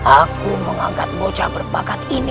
aku mengangkat bocah berbakat ini